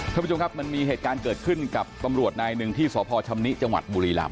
ท่านผู้ชมครับมันมีเหตุการณ์เกิดขึ้นกับตำรวจนายหนึ่งที่สพชำนิจังหวัดบุรีรำ